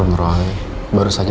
terima kasih ma